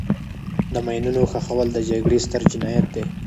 د ماینونو ښخول د جګړې ستر جنایت دی.